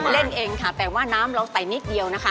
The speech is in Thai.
เล่นเองค่ะแต่ว่าน้ำเราใส่นิดเดียวนะคะ